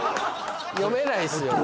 読めないっすよね